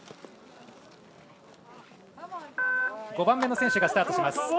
５番目の選手がスタートします。